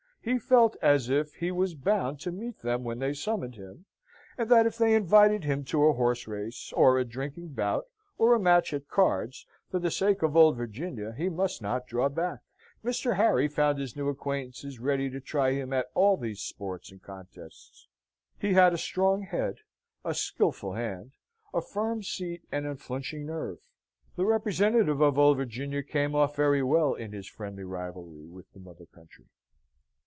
He felt as if he was bound to meet them when they summoned him, and that if they invited him to a horse race, or a drinking bout, or a match at cards, for the sake of Old Virginia he must not draw back. Mr. Harry found his new acquaintances ready to try him at all these sports and contests. He had a strong head, a skilful hand, a firm seat, an unflinching nerve. The representative of Old Virginia came off very well in his friendly rivalry with the mother country.